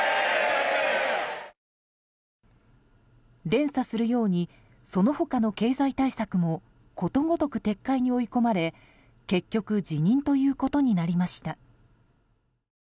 連鎖するようにその他の経済対策もことごとく撤回に追い込まれ結局辞任ということになりました。